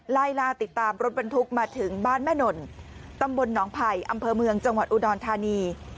ไล่ล่าติดตามรถบรรทุกมาถึงบ้านแม่นนตำบลหนองไผ่อำเภอเมืองจังหวัดอุดรธานี